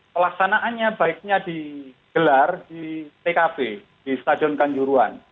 pelaksanaannya baiknya digelar di tkp di stadion kanjuruan